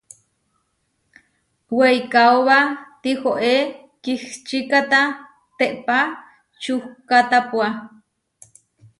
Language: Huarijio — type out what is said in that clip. Weikaóba tihoé kihčikáta teʼpa čukkátapua.